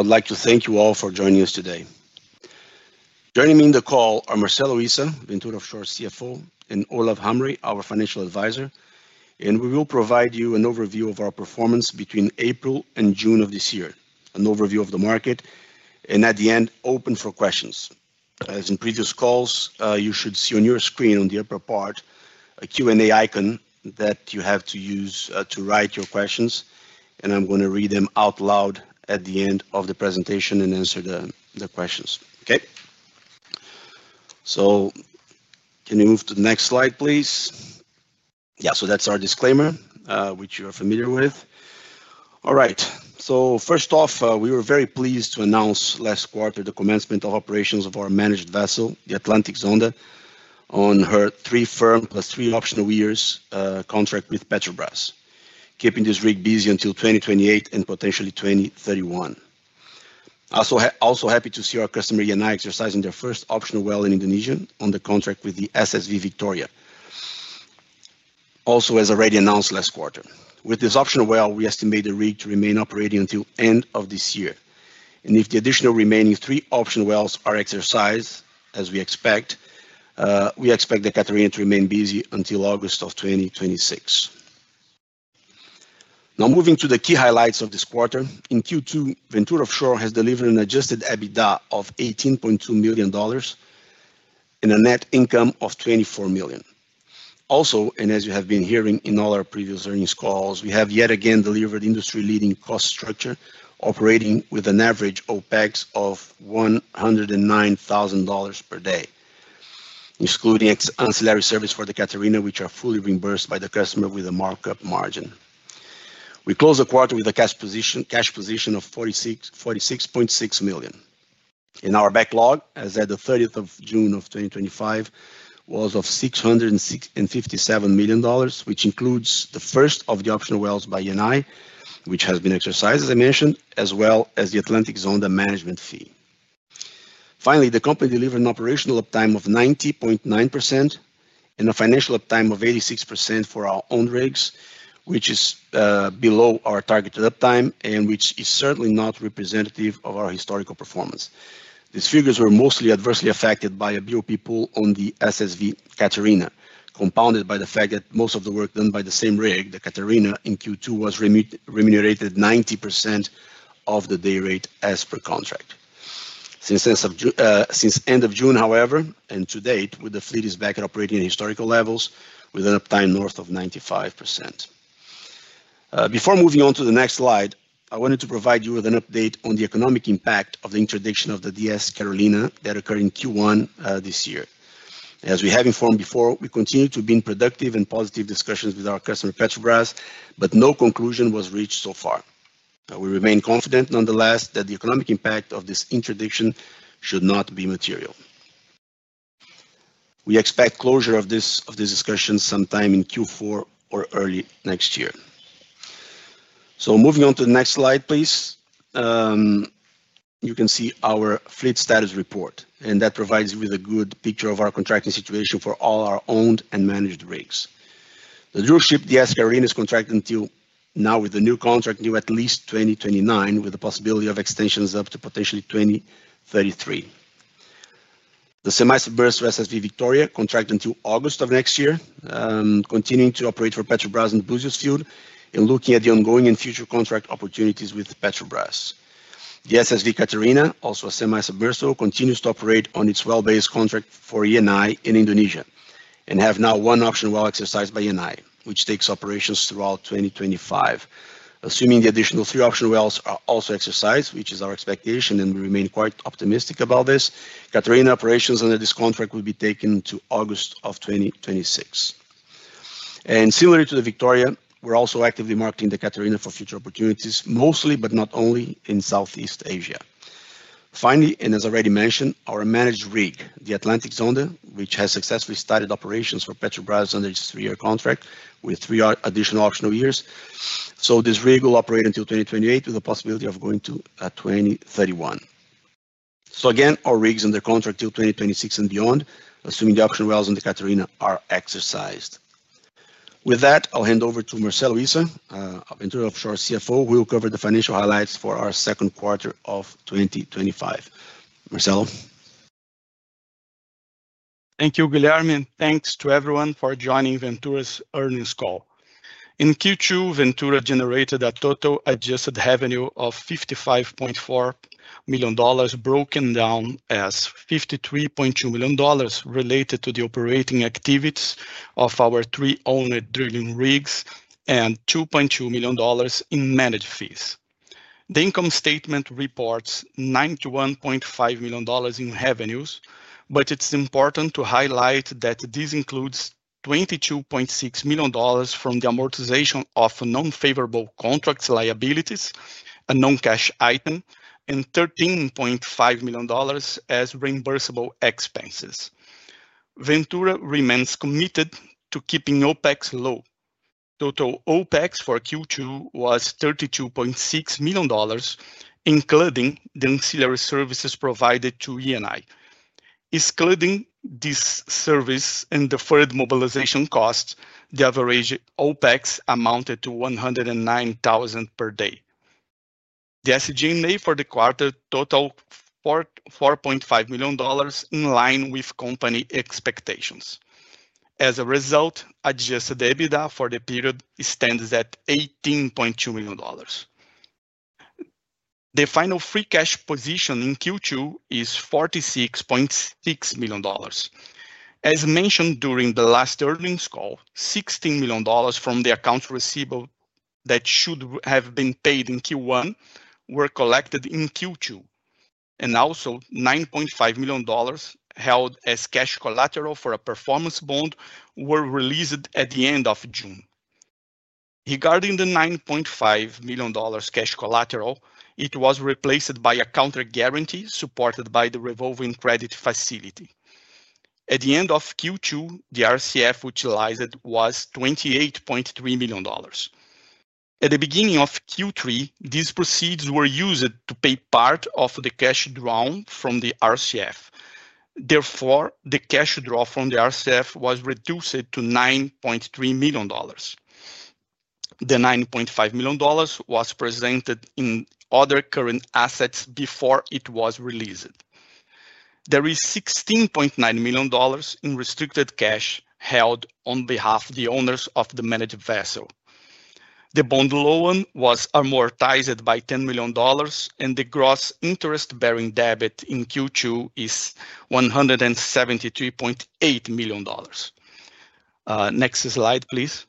I'd like to thank you all for joining us today. Joining me on the call are Marcelo Antonio Issa, Ventura Offshore's CFO, and Olaf Hammary, our Financial Advisor. We will provide you an overview of our performance between April and June of this year, an overview of the market, and at the end, open for questions. As in previous calls, you should see on your screen on the upper part a Q&A icon that you have to use to write your questions. I'm going to read them out loud at the end of the presentation and answer the questions. Okay? Can you move to the next slide, please? Yeah. That's our disclaimer, which you are familiar with. All right. First off, we were very pleased to announce last quarter the commencement of operations of our managed vessel, the Atlantic Zonda, on her three firm plus three optional years contract with Petrobras, keeping this rig busy until 2028 and potentially 2031. I'm also happy to see our customer, Yanai, exercising their first optional well in Indonesia on the contract with the SSV Victoria, also as already announced last quarter. With this optional well, we estimate the rig to remain operating until the end of this year. If the additional remaining three optional wells are exercised, as we expect, we expect the Catarina to remain busy until August of 2026. Now, moving to the key highlights of this quarter, in Q2, Ventura Offshore has delivered an adjusted EBITDA of $18.2 million and a net income of $24 million. Also, as you have been hearing in all our previous earnings calls, we have yet again delivered industry-leading cost structure, operating with an average OpEx of $109,000 per day, excluding ancillary service for the Catarina, which are fully reimbursed by the customer with a markup margin. We closed the quarter with a cash position of $46.6 million. Our backlog, as at the 30th of June of 2025, was $657 million, which includes the first of the optional wells by Yanai, which has been exercised, as I mentioned, as well as the Atlantic Zonda management fee. Finally, the company delivered an operational uptime of 90.9% and a financial uptime of 86% for our own rigs, which is below our targeted uptime and which is certainly not representative of our historical performance. These figures were mostly adversely affected by a BOP pull on the SSV Catarina, compounded by the fact that most of the work done by the same rig, the Catarina, in Q2 was remunerated 90% of the day rate as per contract. Since the end of June, however, and to date, the fleet is back operating at historical levels with an uptime north of 95%. Before moving on to the next slide, I wanted to provide you with an update on the economic impact of the interdiction of the DS Carolina that occurred in Q1 this year. As we have informed before, we continue to be in productive and positive discussions with our customer, Petrobras, but no conclusion was reached so far. We remain confident, nonetheless, that the economic impact of this interdiction should not be material. We expect closure of this discussion sometime in Q4 or early next year. Moving on to the next slide, please. You can see our fleet status report, and that provides you with a good picture of our contracting situation for all our owned and managed rigs. The DS Carolina is contracted until now with a new contract due at least 2029, with the possibility of extensions up to potentially 2033. The semi-submersible SSV Victoria is contracted until August of next year, continuing to operate for Petrobras in Búzios Field, and looking at the ongoing and future contract opportunities with Petrobras. The SSV Catarina, also a semi-submersible, continues to operate on its well-based contract for Yanai in Indonesia and has now one option well exercised by Yanai, which takes operations throughout 2025. Assuming the additional three option wells are also exercised, which is our expectation and we remain quite optimistic about this, Catarina operations under this contract will be taken into August of 2026. Similarly to the Victoria, we're also actively marketing the Catarina for future opportunities, mostly but not only in Southeast Asia. Finally, as already mentioned, our managed rig, the Atlantic Zonda, has successfully started operations for Petrobras under its three-year contract with three additional optional years. This rig will operate until 2028 with the possibility of going to 2031. Again, our rig is under contract until 2026 and beyond, assuming the option wells in the Catarina are exercised. With that, I'll hand over to Marcelo Issa, Ventura Offshore's CFO, who will cover the financial highlights for our second quarter of 2025. Marcelo? Thank you, Guilherme, and thanks to everyone for joining Ventura's earnings call. In Q2, Ventura generated a total adjusted revenue of $55.4 million, broken down as $53.2 million related to the operating activities of our three owned drilling rigs and $2.2 million in managed fees. The income statement reports $91.5 million in revenues, but it's important to highlight that this includes $22.6 million from the amortization of non-favorable contracts liabilities, a non-cash item, and $13.5 million as reimbursable expenses. Ventura remains committed to keeping OpEx low. Total OpEx for Q2 was $32.6 million, including the ancillary services provided to Yanai. Excluding this service and deferred mobilization costs, the average OpEx amounted to $109,000 per day. The SG&A for the quarter totaled $4.5 million, in line with company expectations. As a result, adjusted EBITDA for the period stands at $18.2 million. The final free cash position in Q2 is $46.6 million. As mentioned during the last earnings call, $16 million from the accounts receivable that should have been paid in Q1 were collected in Q2. Also, $9.5 million held as cash collateral for a performance bond were released at the end of June. Regarding the $9.5 million cash collateral, it was replaced by a counter guarantee supported by the revolving credit facility. At the end of Q2, the RCF utilized was $28.3 million. At the beginning of Q3, these proceeds were used to pay part of the cash drawn from the RCF. Therefore, the cash draw from the RCF was reduced to $9.3 million. The $9.5 million was presented in other current assets before it was released. There is $16.9 million in restricted cash held on behalf of the owners of the managed vessel. The bond loan was amortized by $10 million, and the gross interest-bearing debt in Q2 is $173.8 million. Next slide, please.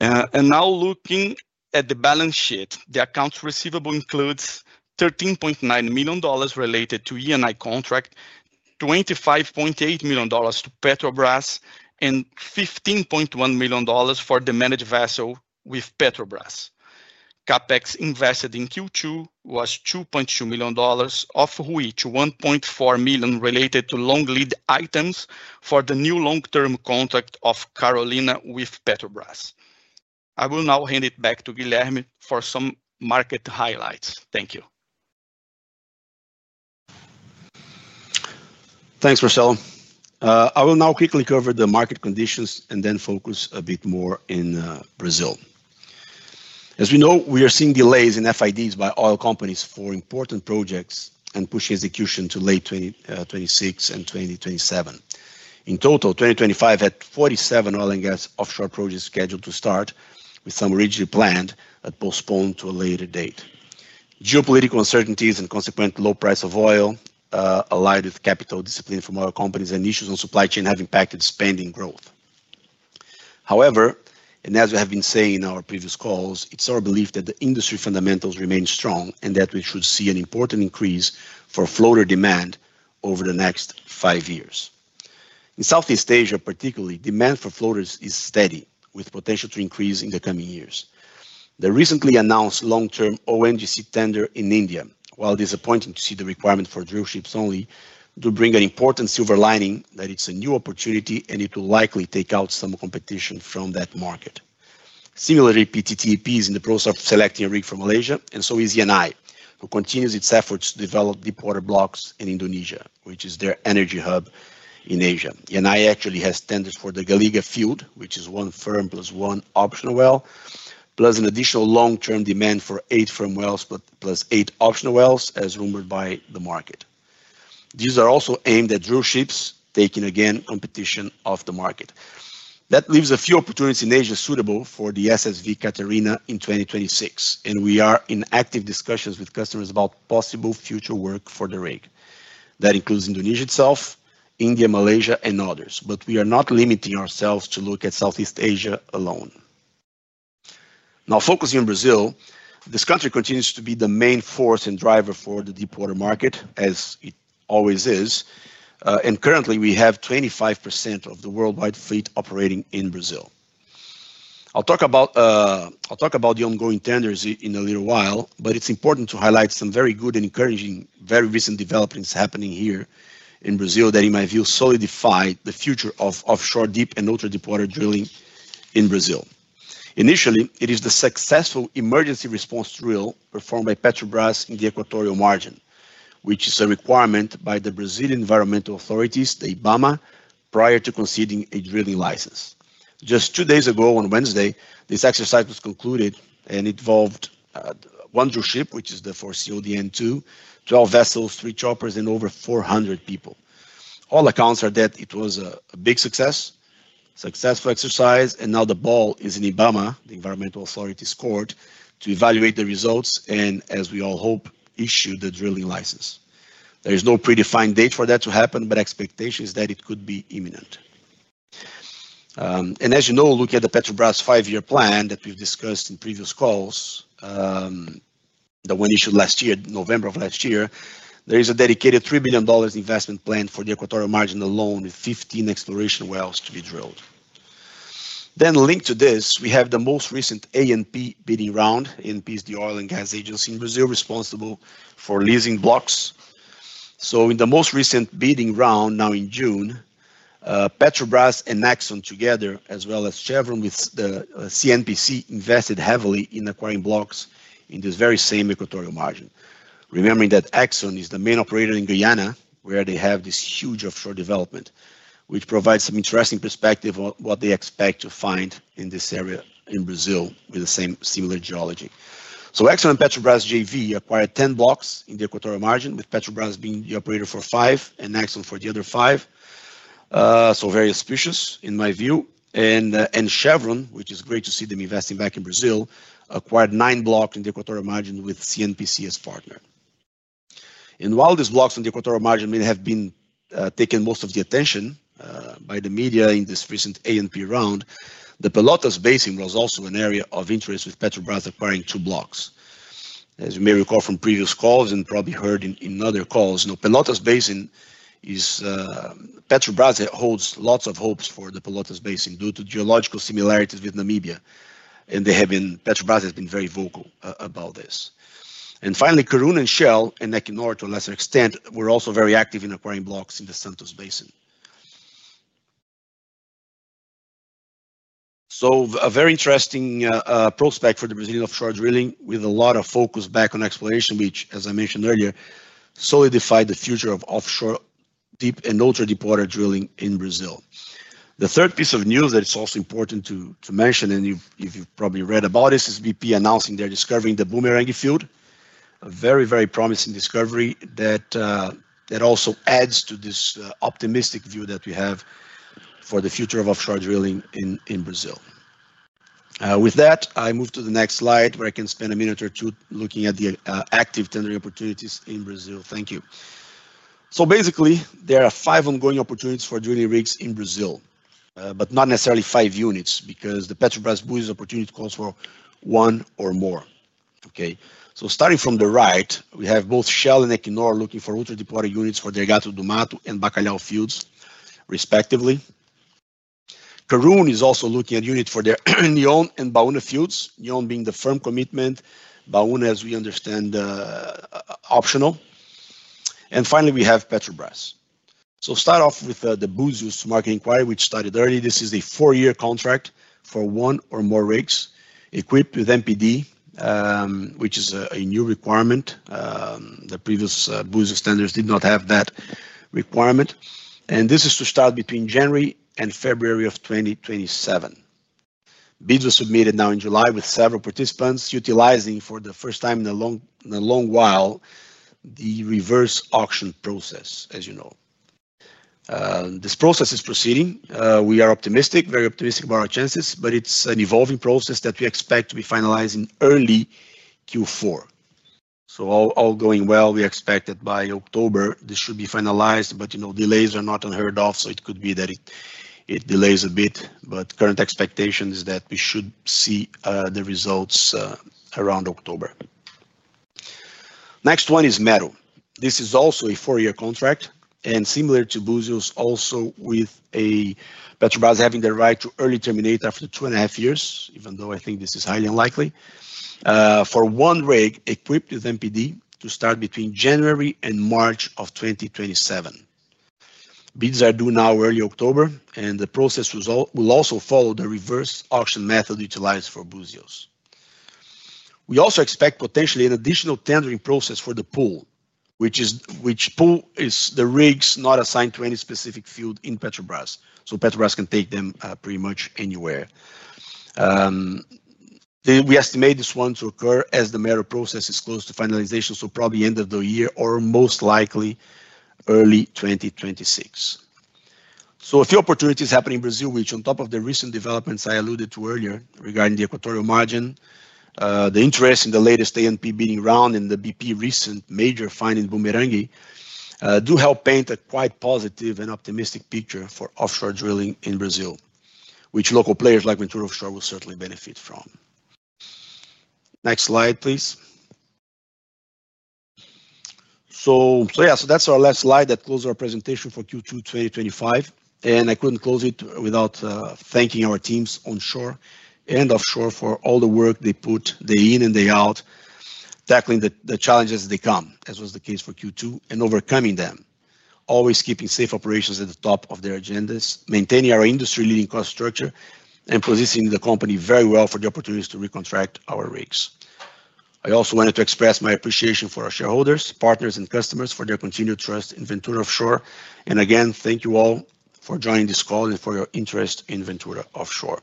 Now looking at the balance sheet, the accounts receivable include $13.9 million related to the Yanai contract, $25.8 million to Petrobras, and $15.1 million for the managed vessel with Petrobras. CapEx invested in Q2 was $2.2 million, of which $1.4 million related to long-lead items for the new long-term contract of Carolina with Petrobras. I will now hand it back to Guilherme for some market highlights. Thank you. Thanks, Marcelo. I will now quickly cover the market conditions and then focus a bit more in Brazil. As we know, we are seeing delays in FIDs by oil companies for important projects and pushing execution to late 2026 and 2027. In total, 2025 had 47 oil and gas offshore projects scheduled to start, with some originally planned but postponed to a later date. Geopolitical uncertainties and consequent low price of oil, allied with capital discipline from oil companies, and issues on supply chain have impacted spending growth. However, as we have been saying in our previous calls, it's our belief that the industry fundamentals remain strong and that we should see an important increase for floater demand over the next five years. In Southeast Asia, particularly, demand for floaters is steady, with potential to increase in the coming years. The recently announced long-term ONGC tender in India, while disappointing to see the requirement for Drillships only, does bring an important silver lining that it's a new opportunity and it will likely take out some competition from that market. Similarly, PTTP is in the process of selecting a rig for Malaysia, and so is Yanai, who continues its efforts to develop deepwater blocks in Indonesia, which is their energy hub in Asia. Yanai actually has tenders for the Galega Field, which is one firm plus one optional well, plus an additional long-term demand for eight firm wells plus eight optional wells, as rumored by the market. These are also aimed at drillships, taking again competition off the market. That leaves a few opportunities in Asia suitable for the SSV Catarina in 2026, and we are in active discussions with customers about possible future work for the rig. That includes Indonesia itself, India, Malaysia, and others, but we are not limiting ourselves to look at Southeast Asia alone. Now, focusing on Brazil, this country continues to be the main force and driver for the deepwater market, as it always is, and currently we have 25% of the worldwide fleet operating in Brazil. I'll talk about the ongoing tenders in a little while, but it's important to highlight some very good and encouraging very recent developments happening here in Brazil that, in my view, solidify the future of offshore deep and ultra-deepwater drilling in Brazil. Initially, it is the successful emergency response drill performed by Petrobras in the Equatorial Margin, which is a requirement by the Brazilian environmental authorities, the IBAMA, prior to conceding a drilling license. Just two days ago, on Wednesday, this exercise was concluded and involved one drillship, which is the foreseeable end to 12 vessels, three choppers, and over 400 people. All accounts are that it was a big success, a successful exercise, and now the ball is in IBAMA, the environmental authorities' court, to evaluate the results and, as we all hope, issue the drilling license. There is no predefined date for that to happen, but expectation is that it could be imminent. As you know, looking at the Petrobras five-year plan that we've discussed in previous calls, the one issued last year, November of last year, there is a dedicated $3 million investment plan for the Equatorial Margin alone with 15 exploration wells to be drilled. Linked to this, we have the most recent ANP bidding round. ANP is the oil and gas agency in Brazil responsible for leasing blocks. In the most recent bidding round, now in June, Petrobras and Exxon together, as well as Chevron with CNPC, invested heavily in acquiring blocks in this very same Equatorial Margin. Remembering that Exxon is the main operator in Guyana, were they have this huge offshore development, which provides some interesting perspective on what they expect to find in this area in Brazil with the same similar geology. Exxon and Petrobras JV acquired 10 blocks in the Equatorial Margin, with Petrobras being the operator for five and Exxon for the other five. Very auspicious, in my view. Chevron, which is great to see them investing back in Brazil, acquired nine blocks in the Equatorial Margin with CNPC as partner. While these blocks in the Equatorial Margin may have been taking most of the attention by the media in this recent ANP round, the Pelotas Basin was also an area of interest with Petrobras acquiring two blocks. As you may recall from previous calls and probably heard in other calls, Pelotas Basin is Petrobras holds lots of hopes for the Pelotas Basin due to geological similarities with Namibia, and Petrobras has been very vocal about this. Finally, Karoon and Shell and Equinor, to a lesser extent, were also very active in acquiring blocks in the Santos Basin. A very interesting prospect for the Brazilian offshore drilling with a lot of focus back on exploration, which, as I mentioned earlier, solidified the future of offshore deep and ultra-deepwater drilling in Brazil. The third piece of news that is also important to mention, and you've probably read about this, is BP announcing their discovery in the Bumerangue Field, a very, very promising discovery that also adds to this optimistic view that we have for the future of offshore drilling in Brazil. With that, I move to the next slide where I can spend a minute or two looking at the active tendering opportunities in Brazil. Thank you. Basically, there are five ongoing opportunities for drilling rigs in Brazil, but not necessarily five units because the Petrobras' Búzios fopportunity calls for one or more. Starting from the right, we have both Shell and Equinor looking for ultra-deepwater units for their Gato do Mato and Bacalhau fields, respectively. Karoon is also looking at units for their Union and Baúna fields, Union being the firm commitment, Baúna, as we understand, optional. Finally, we have Petrobras. Start off with the Búzios market inquiry, which started early. This is a four-year contract for one or more rigs equipped with MPD, which is a new requirement. The previous Búzios tenders did not have that requirement. This is to start between January and February of 2027. Bids were submitted now in July with several participants utilizing for the first time in a long while the reverse auction process, as you know. This process is proceeding. We are optimistic, very optimistic about our chances, but it's an evolving process that we expect to be finalizing early Q4. All going well, we expect that by October, this should be finalized, but you know delays are not unheard of, so it could be that it delays a bit, but current expectation is that we should see the results around October. Next one is Mero. This is also a four-year contract and similar to Búzios, also with Petrobras having the right to early terminate after two and a half years, even though I think this is highly unlikely, for one rig equipped with MPD to start between January and March of 2027. Bids are due now early October, and the process will also follow the reverse auction method utilized for Búzios. We also expect potentially an additional tendering process for the pool, which is the rigs not assigned to any specific field in Petrobras. Petrobras can take them pretty much anywhere. We estimate this one to occur as the meta process is close to finalization, probably end of the year or most likely early 2026. A few opportunities are happening in Brazil, which, on top of the recent developments I alluded to earlier regarding the Equatorial Margin, the interest in the latest ANP bidding round, and the BP recent major find in Bumerangue, do help paint a quite positive and optimistic picture for offshore drilling in Brazil, which local players like Ventura Offshore will certainly benefit from. Next slide, please. That's our last slide that closes our presentation for Q2 2025. I couldn't close it without thanking our teams onshore and offshore for all the work they put in day in and day out, tackling the challenges as they come, as was the case for Q2, and overcoming them. Always keeping safe operations at the top of their agendas, maintaining our industry-leading cost structure, and positioning the company very well for the opportunities to recontract our rigs. I also wanted to express my appreciation for our shareholders, partners, and customers for their continued trust in Ventura Offshore. Thank you all for joining this call and for your interest in Ventura Offshore.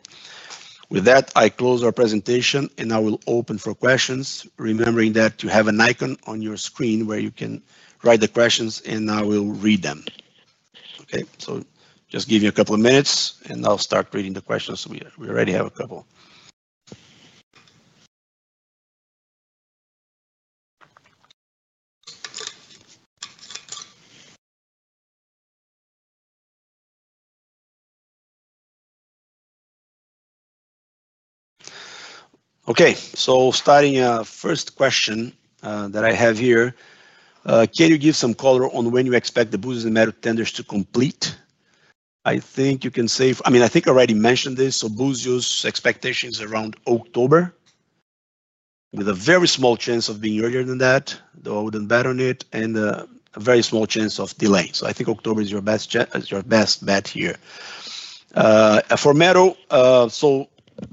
With that, I close our presentation, and I will open for questions, remembering that you have an icon on your screen where you can write the questions, and I will read them. Give me a couple of minutes, and I'll start reading the questions. We already have a couple. Starting, a first question that I have here: can you give some color on when you expect the Búzios and Meta tenders to complete? I think I already mentioned this. Búzios' expectation is around October, with a very small chance of being earlier than that, though I wouldn't bet on it, and a very small chance of delay. October is your best bet here. For Meta,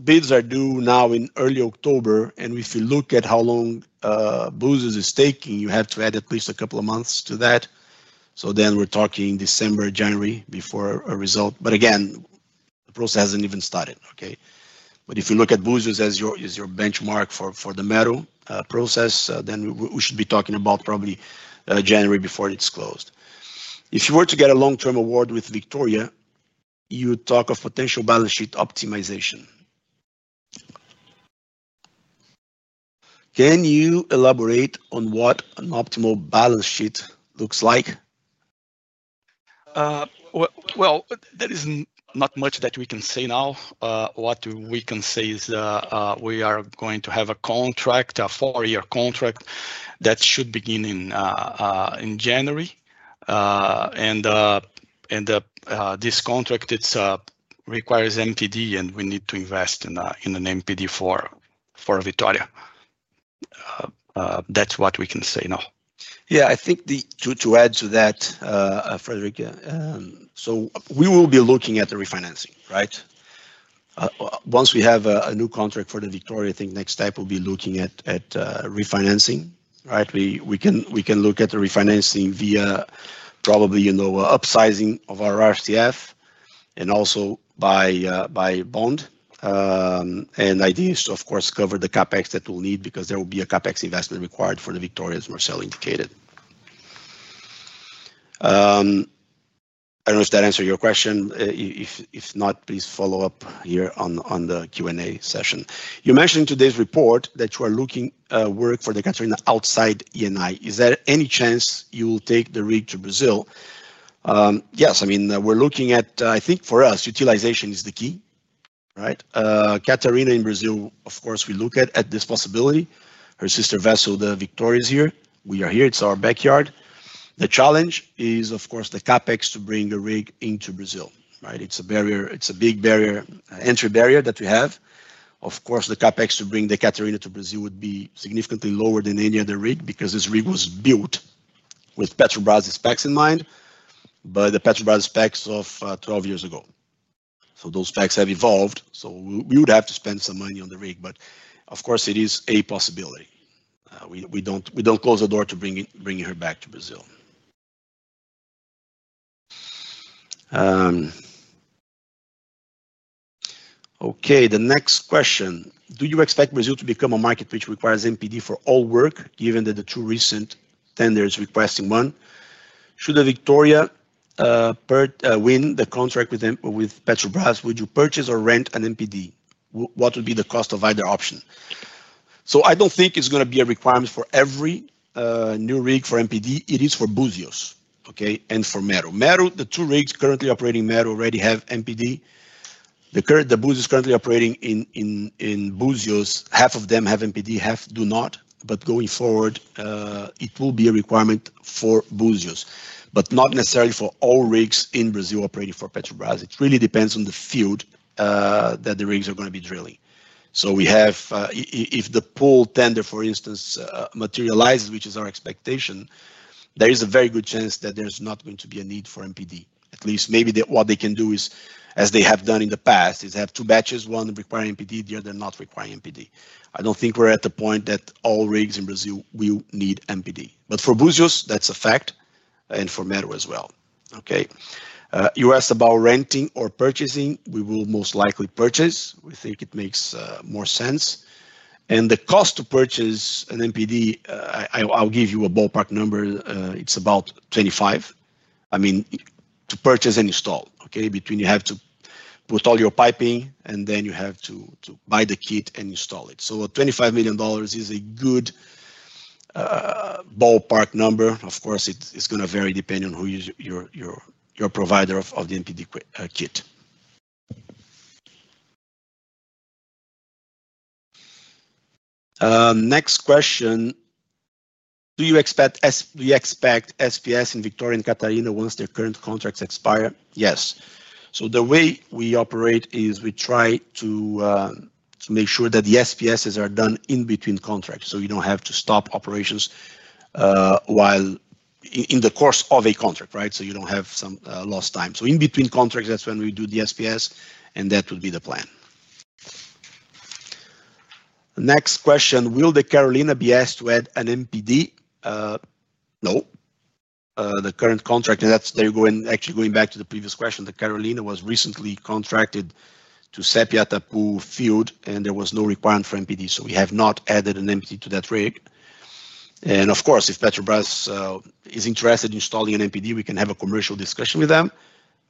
bids are due now in early October, and if you look at how long Búzios is taking, you have to add at least a couple of months to that. We're talking December, January before a result. The process hasn't even started. If you look at Búzios as your benchmark for the Meta process, then we should be talking about probably January before it's closed. If you were to get a long-term award with Victoria, you would talk of potential balance sheet optimization. Can you elaborate on what an optimal balance sheet looks like? There is not much that we can say now. What we can say is we are going to have a contract, a four-year contract that should begin in January. This contract requires MPD, and we need to invest in an MPD for Victoria. That's what we can say now. I think to add to that, Frederick, we will be looking at the refinancing, right? Once we have a new contract for the Victoria, I think the next step will be looking at refinancing, right? We can look at the refinancing via probably, you know, upsizing of our RCF and also by bond. And IDs, of course, cover the CapEx that we'll need because there will be a CapEx investment required for the Victoria, as Marcelo indicated. I don't know if that answered your question. If not, please follow up here on the Q&A session. You mentioned in today's report that you are looking at work for the Catarina outside Yanai. Is there any chance you will take the rig to Brazil? Yes. I mean, we're looking at, I think for us, utilization is the key, right? Catarina in Brazil, of course, we look at this possibility. Her sister vessel, the Victoria, is here. We are here. It's our backyard. The challenge is, of course, the CapEx to bring a rig into Brazil, right? It's a big barrier, an entry barrier that we have. The CapEx to bring the Catarina to Brazil would be significantly lower than any other rig because this rig was built with Petrobras' specs in mind, but the Petrobras specs of 12 years ago. Those specs have evolved. We would have to spend some money on the rig. It is a possibility. We don't close the door to bringing her back to Brazil. The next question. Do you expect Brazil to become a market which requires MPD for all work, given that the two recent tenders are requesting one? Should the Victoria win the contract with Petrobras, would you purchase or rent an MPD? What would be the cost of either option? I don't think it's going to be a requirement for every new rig for MPD. It is for Búzios, and for Mero. Mero, the two rigs currently operating in Mero already have MPD. The Búzios currently operating in Búzios, half of them have MPD, half do not. Going forward, it will be a requirement for Búzios, but not necessarily for all rigs in Brazil operating for Petrobras. It really depends on the field that the rigs are going to be drilling. If the pool tender, for instance, materializes, which is our expectation, there is a very good chance that there's not going to be a need for MPD. At least maybe what they can do is, as they have done in the past, have two batches, one requiring MPD, the other not requiring MPD. I don't think we're at the point that all rigs in Brazil will need MPD. For Búzios, that's a fact, and for Mero as well. You asked about renting or purchasing. We will most likely purchase. We think it makes more sense. The cost to purchase an MPD, I'll give you a ballpark number. It's about $25 million. I mean, to purchase and install, between you have to put all your piping, and then you have to buy the kit and install it. So $25 million is a good ballpark number. Of course, it's going to vary depending on who is your provider of the MPD kit. Next question. Do you expect SPS in Victoria and Catarina once their current contracts expire? Yes. The way we operate is we try to make sure that the SPSs are done in between contracts so you don't have to stop operations while in the course of a contract, right? You don't have some lost time. In between contracts, that's when we do the SPS, and that would be the plan. Next question. Will the Carolina be asked to add an MPD? No. The current contract, and that's actually going back to the previous question, the Carolina was recently contracted to Sépia-Atapu field, and there was no requirement for MPD. We have not added an MPD to that rig. Of course, if Petrobras is interested in installing an MPD, we can have a commercial discussion with them,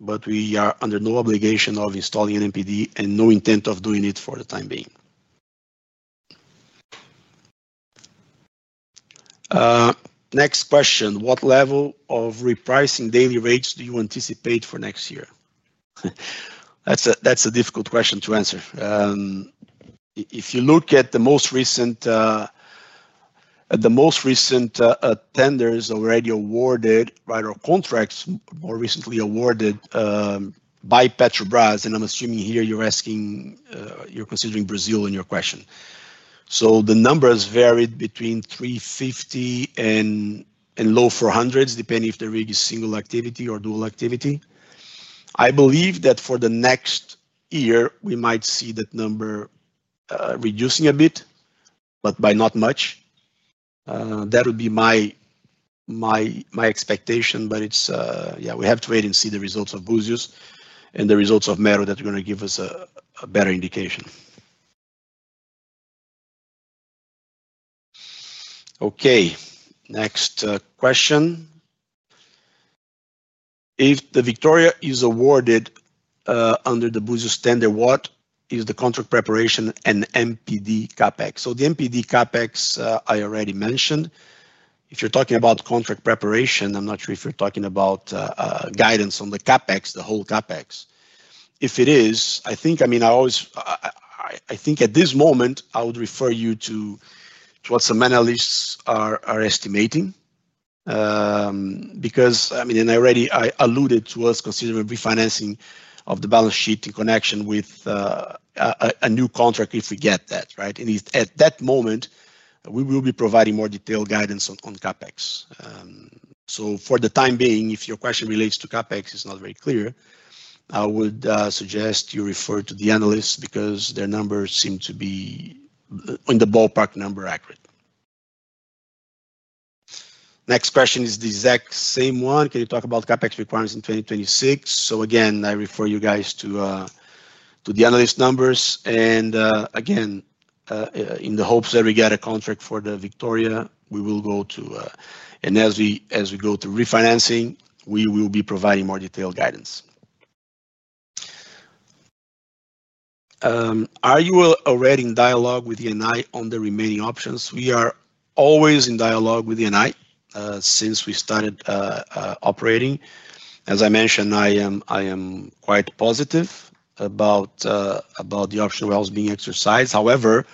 but we are under no obligation of installing an MPD and no intent of doing it for the time being. Next question. What level of repricing daily rates do you anticipate for next year? That's a difficult question to answer. If you look at the most recent tenders already awarded, or contracts more recently awarded by Petrobras, and I'm assuming here you're considering Brazil in your question, the numbers varied between $350,000 and low $400,000s, depending if the rig is single activity or dual activity. I believe that for next year, we might see that number reducing a bit, but by not much. That would be my expectation, but we have to wait and see the results of Búzios and the results of Mero that are going to give us a better indication. Next question. If the Victoria is awarded under the Búzios tender, what is the contract preparation and MPD CapEx? The MPD CapEx I already mentioned. If you're talking about contract preparation, I'm not sure if you're talking about guidance on the CapEx, the whole CapEx. If it is, at this moment, I would refer you to what some analysts are estimating because I already alluded to us considering refinancing of the balance sheet in connection with a new contract if we get that, right? At that moment, we will be providing more detailed guidance on CapEx. For the time being, if your question relates to CapEx, it's not very clear. I would suggest you refer to the analysts because their numbers seem to be in the ballpark number accurate. Next question is the exact same one. Can you talk about CapEx requirements in 2026? Again, I refer you guys to the analyst numbers. In the hopes that we get a contract for the Victoria, as we go to refinancing, we will be providing more detailed guidance. Are you already in dialogue with Yanai on the remaining options? We are always in dialogue with Yanai since we started operating. As I mentioned, I am quite positive about the option wells being exercised. However,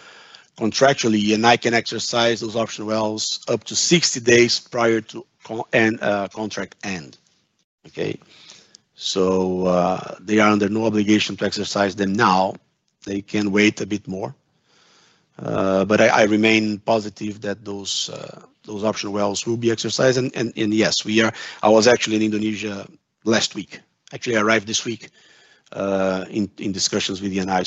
contractually, Yanai can exercise those option wells up to 60 days prior to contract end. They are under no obligation to exercise them now. They can wait a bit more. I remain positive that those option wells will be exercised. Yes, I was actually in Indonesia last week. Actually, I arrived this week in discussions with Yanai.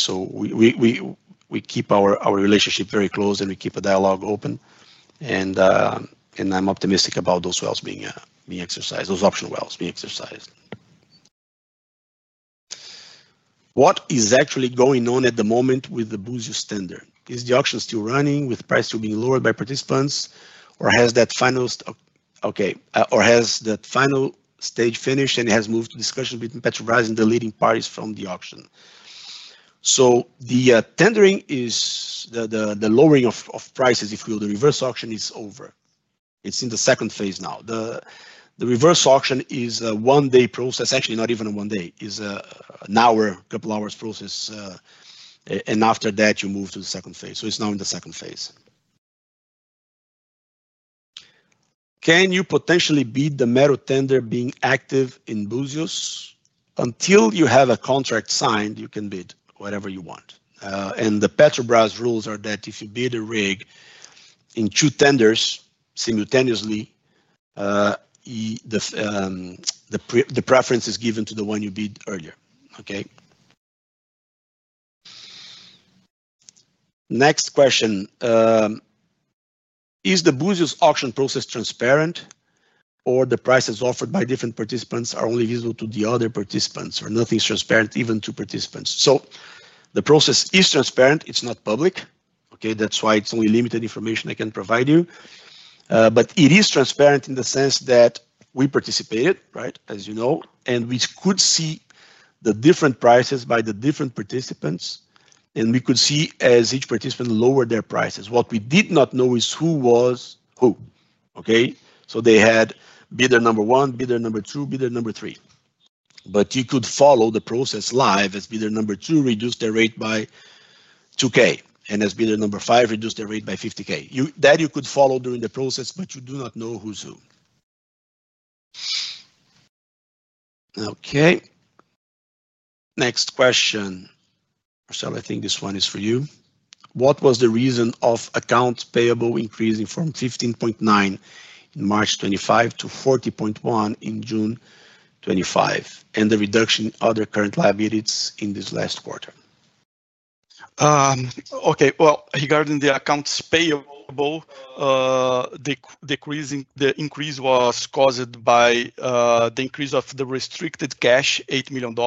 We keep our relationship very close, and we keep a dialogue open. I'm optimistic about those wells being exercised, those option wells being exercised. What is actually going on at the moment with the Búzios tender? Is the auction still running with price still being lowered by participants, or has that final stage finished and has moved the discussion between Petrobras and the leading parties from the auction? The tendering is the lowering of prices, if you will, the reverse auction is over. It's in the second phase now. The reverse auction is a one-day process. Actually, not even a one-day. It's an hour, a couple of hours process. After that, you move to the second phase. It's now in the second phase. Can you potentially bid the Mero tender being active in Búzios? Until you have a contract signed, you can bid whatever you want. The Petrobras rules are that if you bid a rig in two tenders simultaneously, the preference is given to the one you bid earlier. Next question. Is the Búzios auction process transparent, or are the prices offered by different participants only visible to the other participants, or is nothing transparent even to participants? The process is transparent. It's not public. That's why it's only limited information I can provide you. It is transparent in the sense that we participated, as you know, and we could see the different prices by the different participants, and we could see as each participant lowered their prices. What we did not know is who was who. They had bidder number one, bidder number two, bidder number three. You could follow the process live as bidder number two reduced their rate by $2,000, and as bidder number five reduced their rate by $50,000. That you could follow during the process, but you do not know who's who. Next question. Marcelo, I think this one is for you. What was the reason of accounts payable increasing from $15.9 million in March 2025 to $40.1 million in June 2025 and the reduction in other current liabilities in this last quarter? Okay. Regarding the accounts payable, the increase was caused by the increase of the restricted cash, $8 million,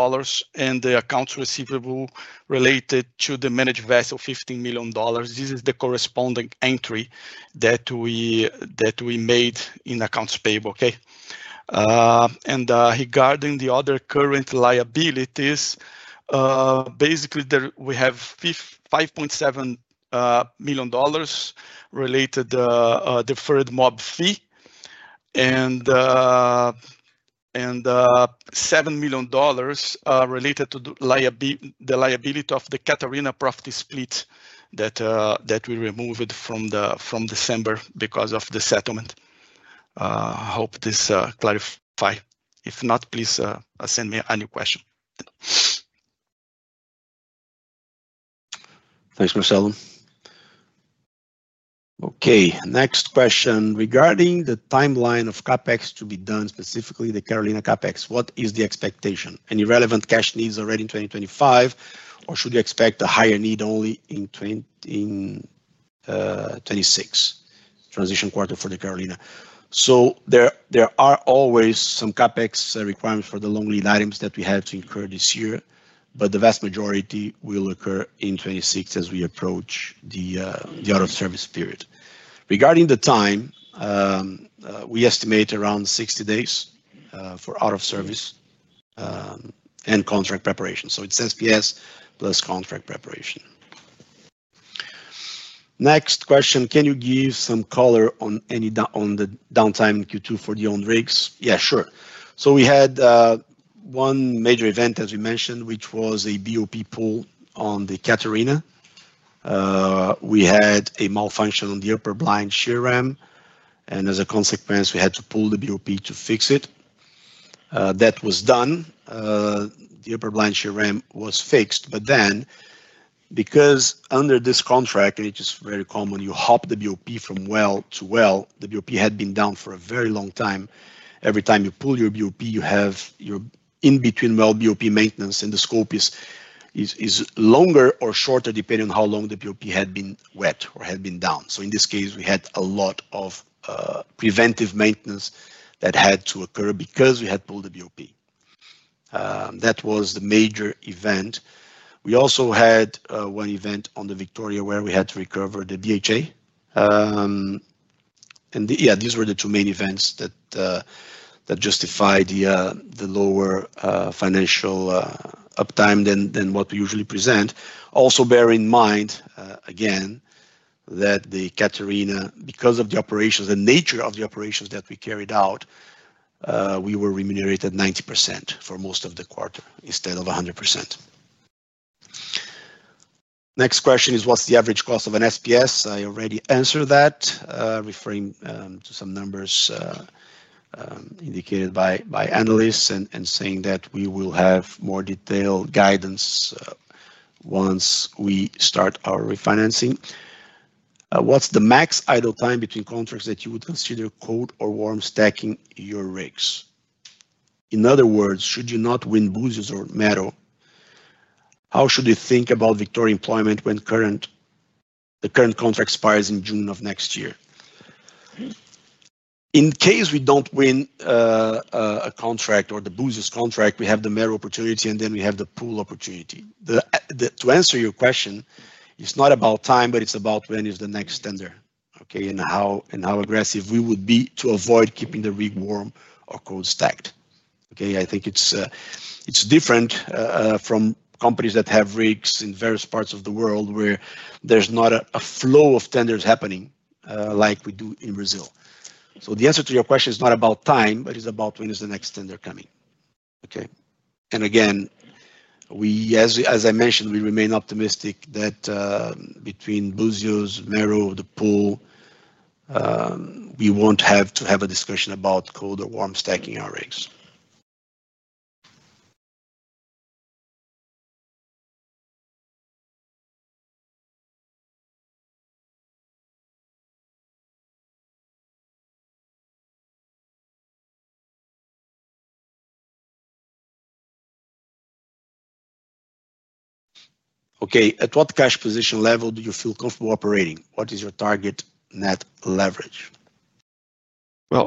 and the accounts receivable related to the managed vessel, $15 million. This is the corresponding entry that we made in accounts payable. Regarding the other current liabilities, basically, we have $5.7 million related to the deferred MOB fee and $7 million related to the liability of the Catarina property split that we removed from December because of the settlement. I hope this clarified. If not, please send me any question. Thanks, Marcelo. Okay. Next question. Regarding the timeline of CapEx to be done, specifically the Carolina CapEx, what is the expectation? Any relevant cash needs already in 2025, or should you expect a higher need only in 2026, transition quarter for the Carolina? There are always some CapEx requirements for the long-lead items that we have to incur this year, but the vast majority will occur in 2026 as we approach the out-of-service period. Regarding the time, we estimate around 60 days for out-of-service and contract preparation. It's SPS plus contract preparation. Next question. Can you give some color on the downtime in Q2 for the owned rigs? Yeah, sure. We had one major event, as we mentioned, which was a BOP pull on the Catarina. We had a malfunction on the upper blind shear ram, and as a consequence, we had to pull the BOP to fix it. That was done. The upper blind shear ram was fixed. Because under this contract, and it is very common, you hop the BOP from well to well. The BOP had been down for a very long time. Every time you pull your BOP, you have your in-between well BOP maintenance, and the scope is longer or shorter depending on how long the BOP had been wet or had been down. In this case, we had a lot of preventive maintenance that had to occur because we had pulled the BOP. That was the major event. We also had one event on the Victoria where we had to recover the DHA. These were the two main events that justified the lower financial uptime than what we usually present. Also, bear in mind, again, that the Catarina, because of the operations and nature of the operations that we carried out, we were remunerated at 90% for most of the quarter instead of 100%. Next question is, what's the average cost of an SPS? I already answered that, referring to some numbers indicated by analysts and saying that we will have more detailed guidance once we start our refinancing. What's the max idle time between contracts that you would consider cold or warm stacking your rigs? In other words, should you not win Búzios or Mero, how should you think about Victoria employment when the current contract expires in June of next year? In case we don't win a contract or the Búzios contract, we have the Mero opportunity, and then we have the pool opportunity. To answer your question, it's not about time, but it's about when is the next tender, and how aggressive we would be to avoid keeping the rig warm or cold stacked. Okay. I think it's different from companies that have rigs in various parts of the world where there's not a flow of tenders happening like we do in Brazil. The answer to your question is not about time, but it's about when is the next tender coming. As I mentioned, we remain optimistic that between Búzios, Mero, the pool, we won't have to have a discussion about cold or warm stacking our rigs. At what cash position level do you feel comfortable operating? What is your target net leverage? We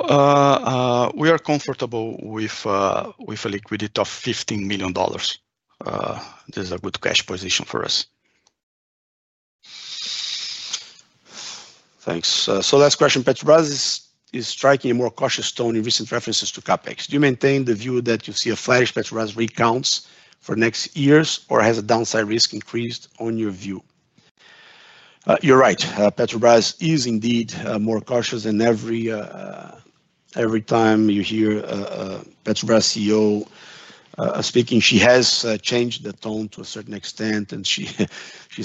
are comfortable with a liquidity of $15 million. This is a good cash position for us. Thanks. Last question. Petrobras is striking a more cautious tone in recent references to CapEx. Do you maintain the view that you see a flattish Petrobras rig count for next years, or has a downside risk increased on your view? You're right. Petrobras is indeed more cautious, and every time you hear a Petrobras CEO speaking, she has changed the tone to a certain extent, and she's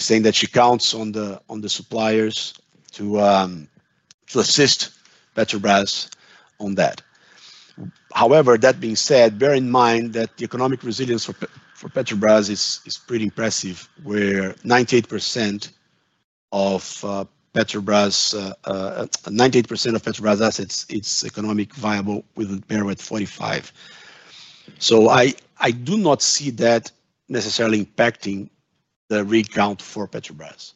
saying that she counts on the suppliers to assist Petrobras on that. However, that being said, bear in mind that the economic resilience for Petrobras is pretty impressive, where 98% of Petrobras' assets are economically viable with a barrel at $45. I do not see that necessarily impacting the rig count for Petrobras.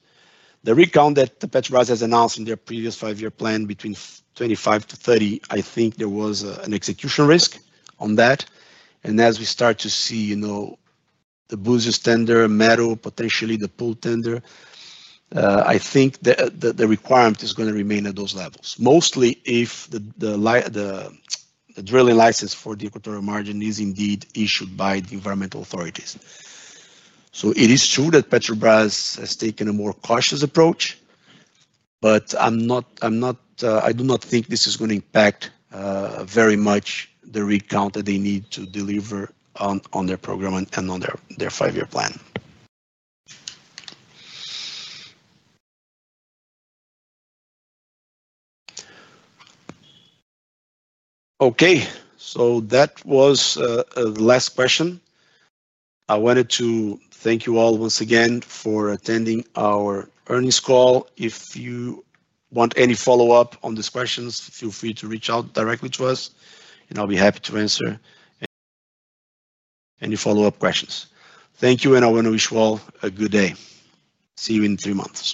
The rig count that Petrobras has announced in their previous five-year plan between 2025-2030, I think there was an execution risk on that. As we start to see the Búzios tender, Mero, potentially the pool tender, I think the requirement is going to remain at those levels, mostly if the drilling license for the Equatorial Margin is indeed issued by the environmental authorities. It is true that Petrobras has taken a more cautious approach, but I do not think this is going to impact very much the rig count that they need to deliver on their program and on their five-year plan. That was the last question. I wanted to thank you all once again for attending our earnings call. If you want any follow-up on these questions, feel free to reach out directly to us, and I'll be happy to answer any follow-up questions. Thank you, and I want to wish you all a good day. See you in three months.